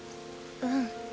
うん。